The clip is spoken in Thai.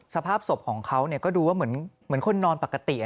สภาพศพของเขาก็ดูว่าเหมือนคนนอนปกติ